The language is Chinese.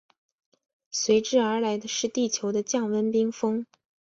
随之而来的是地球的降温冰封。